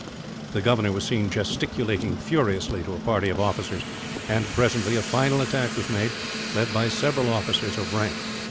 The governor was seen gesticulating furiously to a party of officers and, presently, a final attack was made, led by several officers of rank.